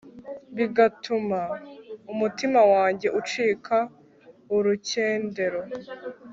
bigatuma umutima wanjye ucika urukendero